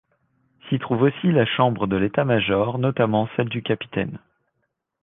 S’y trouve aussi la chambre de l’état-major, notamment celle du capitaine.